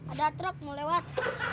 ada truk mau lewat